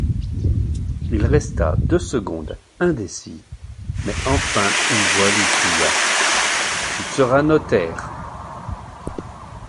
Il resta deux secondes indécis, mais enfin une voix lui cria: — Tu seras notaire!